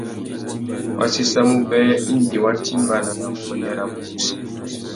Wa séssamú being indi wa timbāna nà nguêndê rabú wussi.